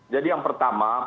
jadi yang pertama peluangnya